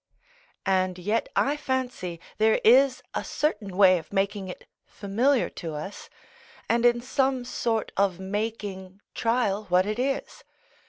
] And yet I fancy, there is a certain way of making it familiar to us, and in some sort of making trial what it is.